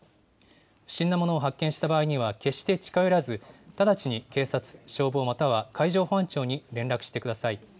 不審なものを発見した場合には決して近寄らず、直ちに警察、消防または海上保安庁に連絡してください。